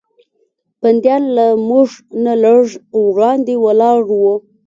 بندیان له موږ نه لږ وړاندې ولاړ و.